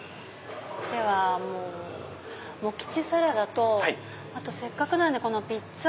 ではモキチサラダとせっかくなんでピッツァ